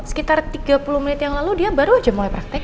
sekitar tiga puluh menit yang lalu dia baru aja mulai praktek